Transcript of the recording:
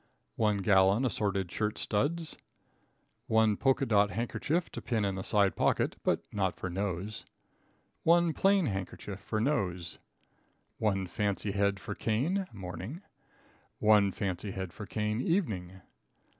1 Gallon Assorted Shirt Studs. 1 Polka dot Handkerchief to pin in side pocket, but not for nose. 1 Plain Handkerchief for nose. 1 Fancy Head for Cane (morning). 1 Fancy Head for Cane (evening).